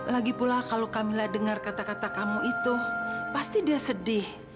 lagi pula kalau kami lah dengar kata kata kamu itu pasti dia sedih